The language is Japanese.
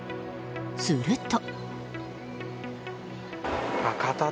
すると。